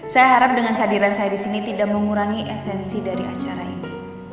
saya harap dengan hadiran saya di sini tidak mengurangi esensi dari acara ini